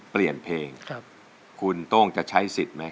เปลี่ยนเพลงคุณโต้งจะใช้สิทธิ์ไหม